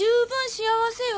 幸せよ？